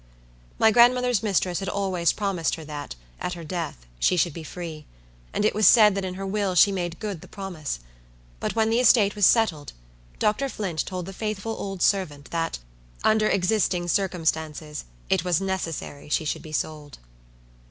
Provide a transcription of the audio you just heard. My grandmother's mistress had always promised her that, at her death, she should be free; and it was said that in her will she made good the promise. But when the estate was settled, Dr. Flint told the faithful old servant that, under existing circumstances, it was necessary she should be sold.